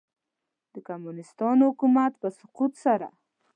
د کمونیسټانو حکومت په سقوط سره.